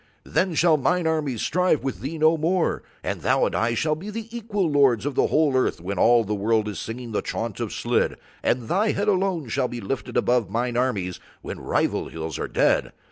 Then shall mine armies strive with thee no more, and thou and I shall be the equal lords of the whole earth when all the world is singing the chaunt of Slid, and thy head alone shall be lifted above mine armies when rival hills are dead.